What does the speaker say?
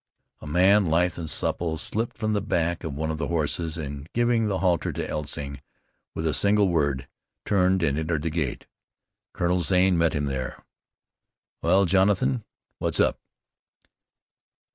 A man, lithe and supple, slipped from the back of one of the horses, and, giving the halter to Elsing with a single word, turned and entered the gate. Colonel Zane met him there. "Well, Jonathan, what's up?"